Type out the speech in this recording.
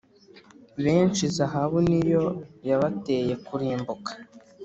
Benshi zahabu ni yo yabateye kurimbuka,